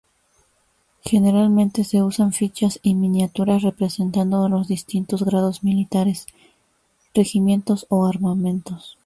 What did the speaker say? Generalmente se usan fichas y miniaturas representando los distintos grados militares, regimientos o armamentos.